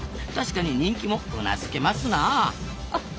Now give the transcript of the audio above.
確かに人気もうなずけますなあ。